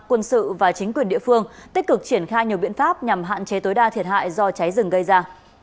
quân sự và chính quyền địa phương tích cực triển khai nhiều biện pháp nhằm hạn chế tối đa thiệt hại do cháy rừng gây ra